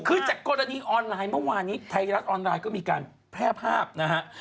คือจากกรณีออนไลน์เมื่อวานนี้ไทยรัฐออนไลน์ก็มีการแพร่ภาพนะฮะ